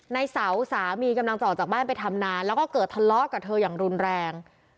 ในเสาสามีกำลังจะออกจากบ้านไปทำนานแล้วก็เกิดทะเลาะกับเธออย่างรุนแรง